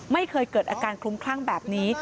ไม่เคยเกิดอาการคลุ้มคลั่งแบบนี้